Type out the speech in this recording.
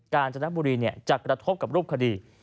การจนบุรีจะกระทบกับรูปคดี